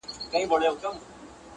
نن بيا يوې پيغلي په ټپه كـي راتـه وژړل.